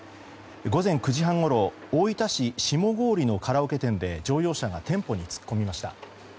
午前９時半ごろ大分市下郡のカラオケ店で乗用車が店舗に突っ込みました。